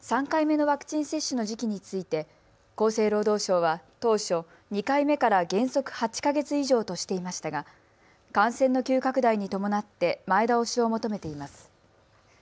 ３回目のワクチン接種の時期について厚生労働省は当初２回目から原則８か月以上としていましたが感染の急拡大に伴って前倒しを求めています。